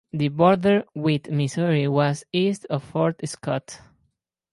The border with Missouri was east of Fort Scott.